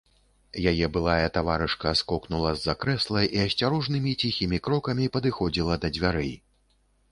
Яе былая таварышка скокнула з-за крэсла і асцярожнымі ціхімі крокамі падыходзіла да дзвярэй.